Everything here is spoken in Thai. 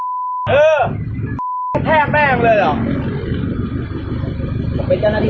เออไอ้แท่งแม่งเลยหรอ